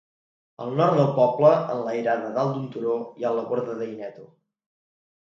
Al nord del poble, enlairada dalt d'un turó, hi ha la Borda d'Aineto.